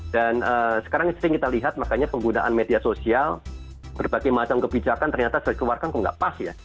dan sekarang sering kita lihat makanya penggunaan media sosial berbagai macam kebijakan ternyata sudah dikeluarkan kok nggak pas ya